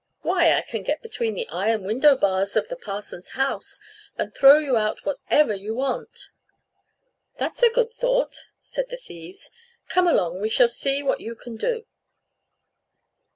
"Why, I can get between the iron window bars of the parson's house, and throw you out whatever you want." "That's a good thought," said the thieves: "come along, we shall see what you can do."